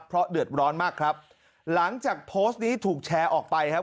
เพราะเดือดร้อนมากครับหลังจากโพสต์นี้ถูกแชร์ออกไปครับ